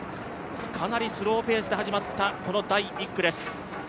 かなりスローペースで始まったこの第１区です。